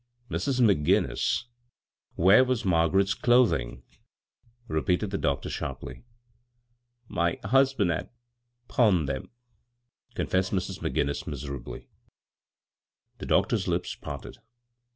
" Mrs. McGinnis, where was Margaret's clothing ?" repeated the doctor sharply. " My husband had — pawned them," con fessed Mrs. McGinnis, miserably. The doctor's lips parted.